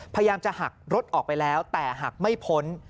พยายามจะหักรถออกไปแล้วแต่หักไม่พ้น